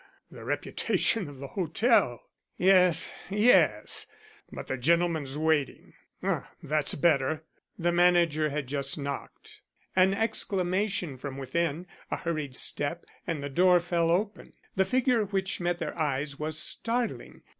The reputation of the hotel " "Yes, yes, but the gentleman's waiting. Ah! that's better." The manager had just knocked. An exclamation from within, a hurried step, and the door fell open. The figure which met their eyes was startling.